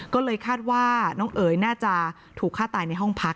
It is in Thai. ก็เลยคาดว่าน้องเอ๋ยน่าจะถูกฆ่าตายในห้องพัก